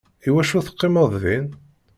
Iwacu teqqimeḍ din?